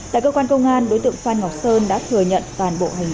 tại cơ quan công an đối tượng phan ngọc sơn đã thừa nhận toàn bộ hành vi phạm tội của mình